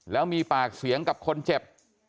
แล้วมีปากเสียงกับคนเจ็บ